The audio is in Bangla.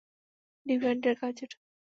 ডিভিয়েন্টের কাজ এটা।